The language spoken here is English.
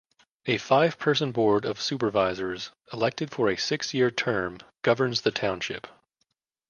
A five-person board of supervisors, elected for a six-year term, governs the township.